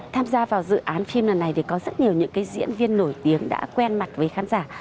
tham gia vào dự án phim lần này thì có rất nhiều những diễn viên nổi tiếng đã quen mặt với khán giả